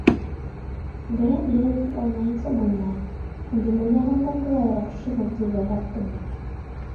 Бер аҙ ял итеп алмайынса булмай, үҙем уйнағандан былайыраҡ шыбыр тиргә баттым бит.